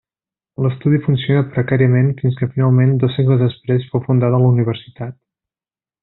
L’Estudi funcionà precàriament fins que finalment dos segles després fou fundada la universitat.